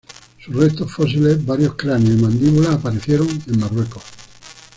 Sus restos fósiles, varios cráneos y mandíbulas, aparecieron en Marruecos.